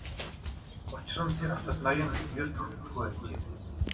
Учир нь тэр хотод ноён ер тогтдоггүй байжээ.